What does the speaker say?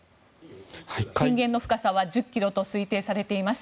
震源の深さは１０ｋｍと推定されています。